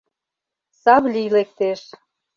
Савлий лектеш.